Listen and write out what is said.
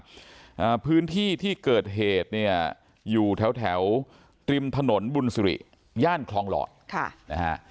อ่าพื้นที่ที่เกิดเหตุเนี่ยอยู่แถวแถวริมถนนบุญสุริย่านคลองหลอดค่ะนะฮะ